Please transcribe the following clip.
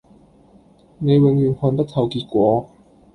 你永遠看不透結果